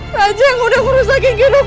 raja yang udah merusakkan kehidupan aku